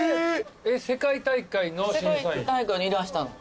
世界大会にいらしたの。